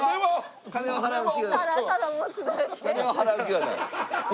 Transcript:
金は払う気はない。